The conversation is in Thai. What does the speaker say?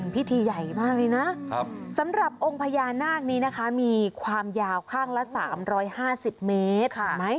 พิธีใหญ่มากเลยนะสำหรับองค์พญานาคนี้นะคะมีความยาวข้างละ๓๕๐เมตร